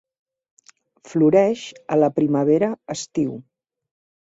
Floreix a la primavera- estiu.